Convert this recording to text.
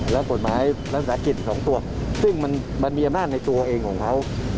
และกฎหมายรัฐสากิจ๒ตัวซึ่งมันมีอำนาจในตัวเองของเขา